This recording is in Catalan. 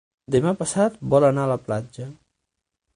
Demà passat vol anar a la platja.